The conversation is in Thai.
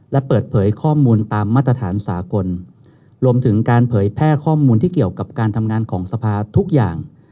และเปิดเผยข้อมูลตามมาตรฐานสากลรวมถึงการเผยแพร่ข้อมูลที่เกี่ยวกับการทำงานของสภาทุกอย่าง